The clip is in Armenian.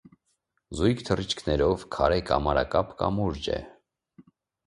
Զույգ թռիչքներով քարե կամարակապ կամուրջ է։